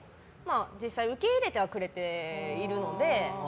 実際受け入れてはくれているので。